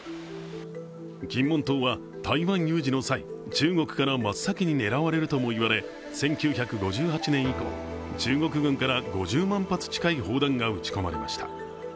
金門島は、台湾有事の際、中国から真っ先に狙われるとも言われ、１９５８年以降中国軍から５０万発近い砲弾が撃ち込まれました。